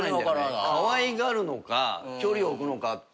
かわいがるのか距離を置くのか。